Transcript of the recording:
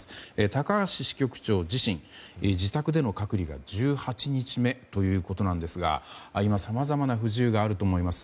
高橋支局長自身自宅での隔離が１８日目ということですが今、さまざまな不自由があると思います。